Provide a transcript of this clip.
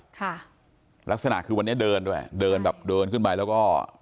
ค่ะลักษณะคือวันนี้เดินด้วยเดินแบบเดินขึ้นไปแล้วก็